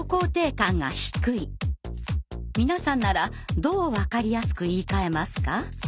皆さんならどう分かりやすく言いかえますか？